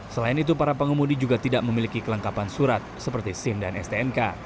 selain itu para pengemudi juga tidak memiliki kelengkapan surat seperti sim dan stnk